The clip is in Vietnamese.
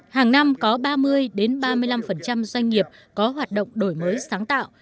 hàng năm có ba mươi ba mươi năm doanh nghiệp có hoạt động đổi mới sáng tạo